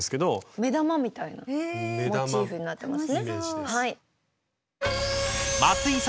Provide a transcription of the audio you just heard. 目玉みたいなモチーフになってますね。